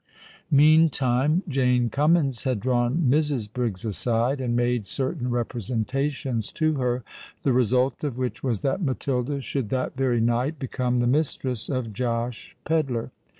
Meantime Jane Cummins had drawn Mrs. Briggs aside, and made certain representations to her—the result of which was that Matilda should that very night become the mistress of Josh Pedler.